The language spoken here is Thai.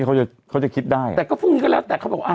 เขาจะเขาจะคิดได้แต่ก็พรุ่งนี้ก็แล้วแต่เขาบอกอ่า